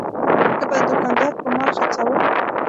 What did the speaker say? که به دوکاندار کوم مال خرڅاوه.